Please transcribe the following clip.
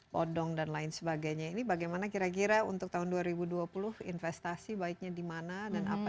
bodong dan lain sebagainya ini bagaimana kira kira untuk tahun dua ribu dua puluh investasi baiknya dimana dan apa